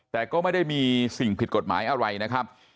แต่ก็ไม่ได้มีสิ่งผิดกฎหมายอะไรนะครับ